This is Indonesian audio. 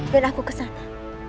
biar aku ke sana